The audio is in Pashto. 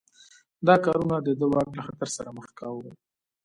دا کارونه د ده واک له خطر سره مخ کاوه.